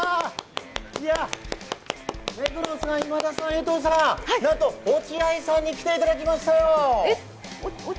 目黒さん、今田さん、なんと落合さんに来ていただきましたよ。